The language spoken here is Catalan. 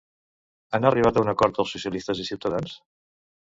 Han arribat a un acord els socialistes i Cs?